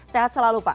sehat selalu pak